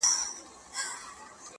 څوک به پوه سي چي له چا به ګیله من یې؟!.